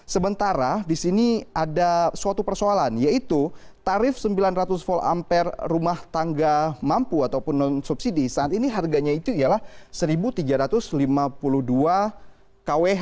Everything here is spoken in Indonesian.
sementara di sini ada suatu persoalan yaitu tarif sembilan ratus volt ampere rumah tangga mampu ataupun non subsidi saat ini harganya itu ialah seribu tiga ratus lima puluh dua kwh